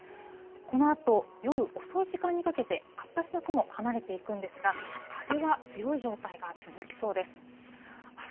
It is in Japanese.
このあと夜遅い時間にかけて、活発な雲、離れていくんですが、風は強い状態が続きそうです。